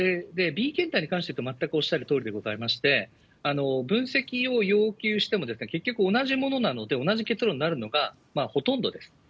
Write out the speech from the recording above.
Ｂ検体に関しては、全くおっしゃるとおりでございまして、分析を要求しても結局同じものなので、同じ結論になるのがほとんどです。